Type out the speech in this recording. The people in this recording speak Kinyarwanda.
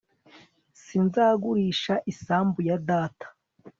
sinzagurisha isambu ya data